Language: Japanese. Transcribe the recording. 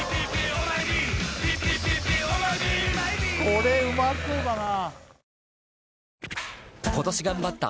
これうまそうだな